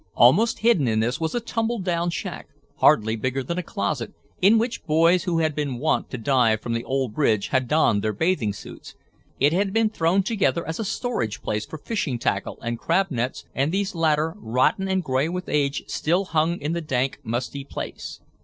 Almost hidden in this was a tumbled down shack, hardly bigger than a closet, in which boys who had been wont to dive from the old bridge had donned their bathing suits. It had been thrown together as a storage place for fishing tackle and crab nets and these latter, rotten and gray with age, still hung in the dank, musty place.